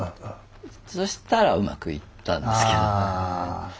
そしたらうまくいったんですけどね。